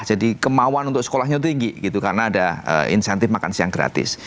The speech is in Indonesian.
jadi kemauan untuk sekolahnya tinggi karena ada insentif makan siang gratis